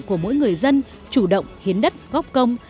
của mỗi người dân chủ động hiến đất góp công